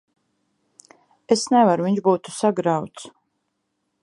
Es nevaru. Viņš būtu sagrauts.